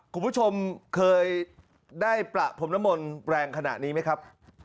คุณผู้ชมเคยได้ประพรมนมลแรงขนาดนี้ไหมครับ